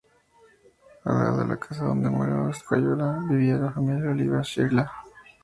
Al lado de la casa donde moraba Escayola, vivía la familia Oliva-Sghirla.